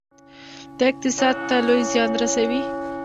دا اقتصاد ته لوی زیان رسوي.